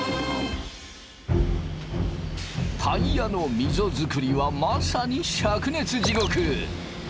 タイヤのミゾ作りはまさに灼熱地獄。